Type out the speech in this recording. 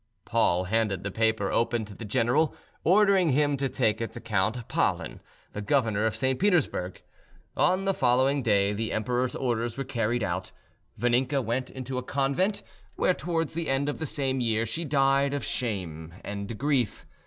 Paul handed the paper open to the general, ordering him to take it to Count Pahlen, the governor of St. Petersburg. On the following day the emperor's orders were carried out. Vaninka went into a convent, where towards the end of the same year she died of shame and grief.